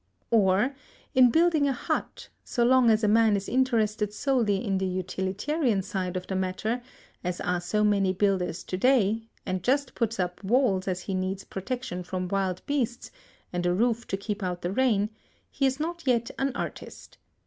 Or in building a hut, so long as a man is interested solely in the utilitarian side of the matter, as are so many builders to day, and just puts up walls as he needs protection from wild beasts, and a roof to keep out the rain, he is not yet an artist.